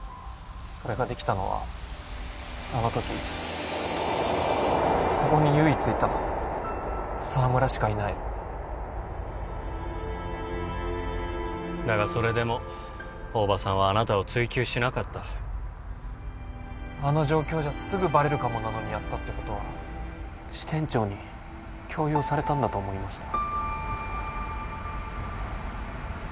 それができたのはあの時そこに唯一いた沢村しかいないだがそれでも大庭さんはあなたを追及しなかったあの状況じゃすぐバレるかもなのにやったってことは支店長に強要されたんだと思いました